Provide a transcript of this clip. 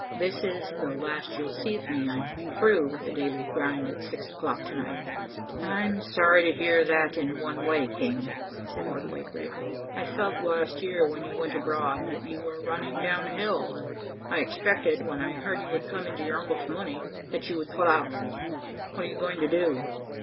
"This is the last you'll see of me. I'm through with the daily grind at six o'clock to night." "I'm sorry to hear that in one way, King," said Ordway gravely. "I felt last year when you went abroad that you were running down hill and I expected, when I heard you had come into your uncle's money, that you would pull out. What are you going to do?"